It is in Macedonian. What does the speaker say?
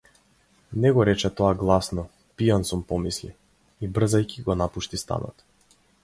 Не го рече тоа гласно, пијан сум помисли, и брзајќи го напушти станот.